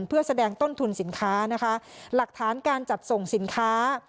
เพื่อแสดงต้นทุนสินค้านะคะหลักฐานการจัดส่งสินค้า